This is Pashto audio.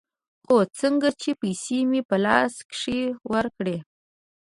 خو څنگه چې پيسې مې په لاس کښې ورکړې.